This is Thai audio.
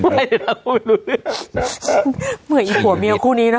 บ๊วยเหมือนถี่ขัวแมวคู่นี้เนอะ